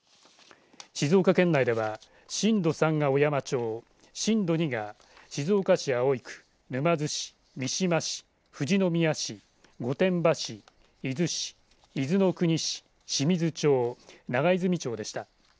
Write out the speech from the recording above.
静岡県内では震度３が小山町震度２が静岡市葵区、沼津市三島市、富士宮市御殿場市、伊豆市伊豆の国市、清水町長泉町でした。